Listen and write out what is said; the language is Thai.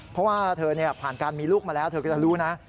เพราะว่าเธอผ่านการมีลูกมาแล้วเธอก็จะรู้นะ